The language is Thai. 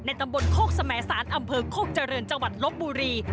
ตำบลโคกสมสารอำเภอโคกเจริญจังหวัดลบบุรี